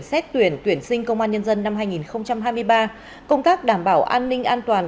xét tuyển tuyển sinh công an nhân dân năm hai nghìn hai mươi ba công tác đảm bảo an ninh an toàn